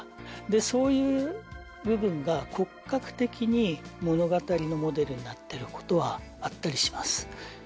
そういう部分が骨格的に物語のモデルになってることはあったりします。